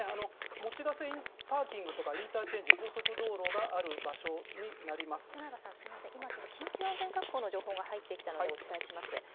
用瀬パーキングとかインターチェンジ、高速道路がある場所になり清永さん、すみません、今、緊急安全確保の情報が入ってきたのでお伝えします。